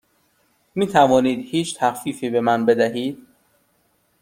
می توانید هیچ تخفیفی به من بدهید؟